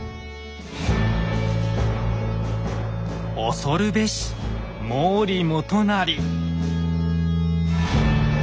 恐るべし毛利元就！